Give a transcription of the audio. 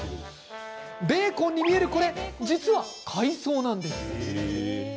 ベーコンに見えるこれ実は海藻なんです。